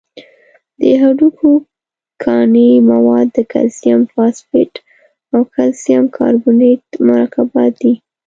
د هډوکو کاني مواد د کلسیم فاسفیټ او کلسیم کاربونیت مرکبات دي.